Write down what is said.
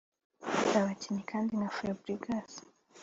Abakinnyi kandi nka Fabregas